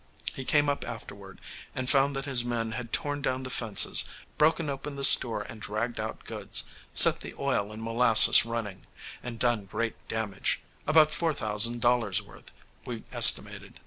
He came up afterward, and found that his men had torn down the fences, broken open the store and dragged out goods, set the oil and molasses running, and done great damage about four thousand dollars' worth, we estimated.